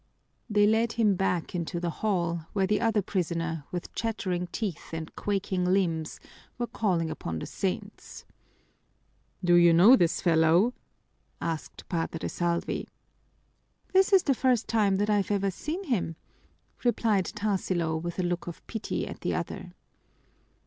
They led him back into the hall where the other prisoner, with chattering teeth and quaking limbs, was calling upon the saints. "Do you know this fellow?" asked Padre Salvi. "This is the first time that I've ever seen him," replied Tarsilo with a look of pity at the other.